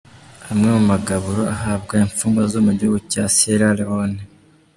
Amwe mu magaburo ahabwa imfungwa zo mu gihugu cya Sierra Leone .